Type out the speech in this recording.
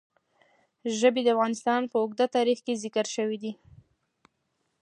ژبې د افغانستان په اوږده تاریخ کې ذکر شوی دی.